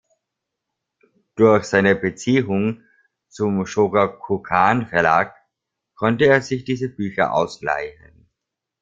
Durch seine Beziehungen zum Shogakukan-Verlag konnte er sich diese Bilder ausleihen.